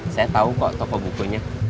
saya tahu kok toko bukunya